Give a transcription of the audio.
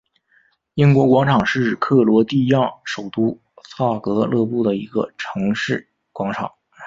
英国广场是克罗地亚首都萨格勒布的一个城市广场。